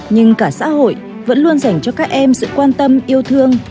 nhưng cả xã hội vẫn luôn dành cho các em sự quan tâm yêu thương